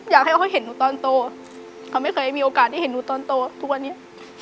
อยากให้เขาเห็นหนูตอนโตเขาไม่เคยมีโอกาสได้เห็นหนูตอนโตทุกวันนี้